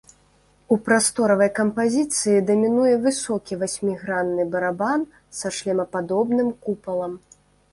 У прасторавай кампазіцыі дамінуе высокі васьмігранны барабан са шлемападобным купалам.